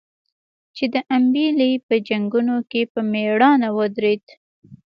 چې د امبېلې په جنګونو کې په مړانه ودرېد.